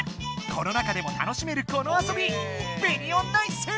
コロナ禍でも楽しめるこの遊びベニオナイス！